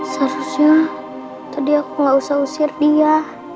seharusnya tadi aku gak usah usir dia